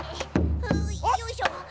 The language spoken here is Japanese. ふよいしょ。